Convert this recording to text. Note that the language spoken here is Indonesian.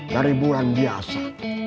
dari bulan biasa